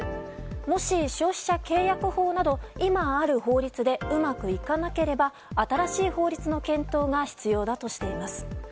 もし、消費者契約法など今ある法律でうまくいかなければ新しい法律の検討が必要だとしています。